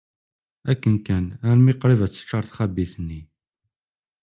Akken kan, almi qrib ad teččar txabit-nni.